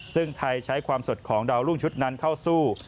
ซึ่งไทยใช้ความสดของดาวรุ่งชุดนั้นเข้าสู้